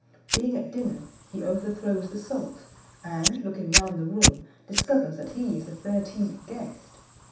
Being at dinner, he overthrows the salt, and, looking round the room, discovers that he is the thirteenth guest.